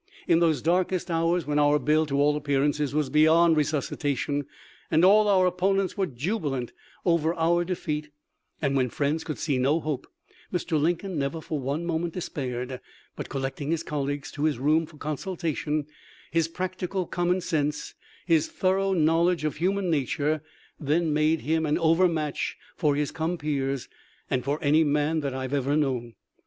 In those darkest hours when our bill to all appearances was beyond resusci tation, and all our opponents were jubilant over our defeat, and when friends could see no hope, Mr. Lincoln never for one moment despaired ; but collecting his colleagues to his room for consulta tion, his practical common sense, his thorough knowledge of human nature, then made him an overmatch for his compeers and for any man that I have ever known."